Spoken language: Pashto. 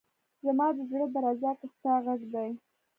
زما ده زړه درزا کي ستا غږ دی